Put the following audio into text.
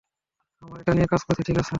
আমরা এটা নিয়ে কাজ করছি, ঠিক আছে?